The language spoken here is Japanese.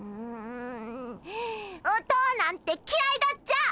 うおとおなんてきらいだっちゃ！